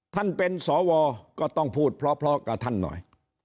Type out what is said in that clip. ท่านเป็นสวก็ต้องพูดเพราะกับท่านหน่อย